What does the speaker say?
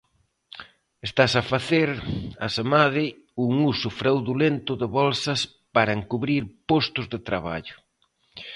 Estase a facer, asemade, un uso fraudulento de bolsas para encubrir postos de traballo.